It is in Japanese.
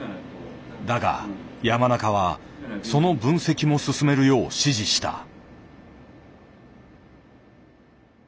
だが山中はその分析も進めるよう指示した。